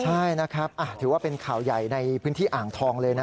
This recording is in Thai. ใช่นะครับถือว่าเป็นข่าวใหญ่ในพื้นที่อ่างทองเลยนะ